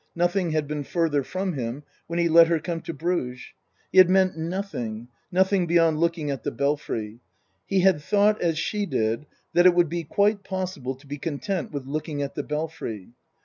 Nothing had been further from him when he let her come to Bruges. He had meant nothing nothing beyond looking at the Belfry. He had thought as she did that it would be quite possible to be content with looking at the Belfry.